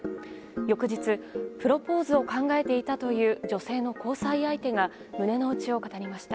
翌日プロポーズを考えていたという女性の交際相手が胸の内を語りました。